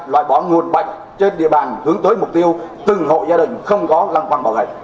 loại bỏ nguồn bệnh trên địa bàn hướng tới mục tiêu từng hộ gia đình không có lăng quang bọ gậy